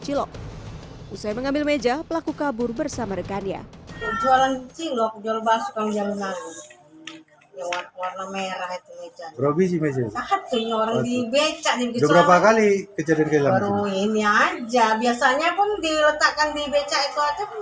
cilok usai mengambil meja pelaku kabur bersama rekannya jualan cilok jorbas